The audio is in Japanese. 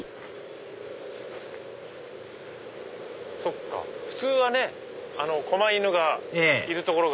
そっか普通こま犬がいる所が。